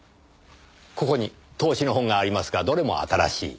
ここに投資の本がありますがどれも新しい。